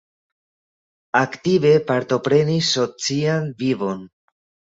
Aktive partoprenis socian vivon.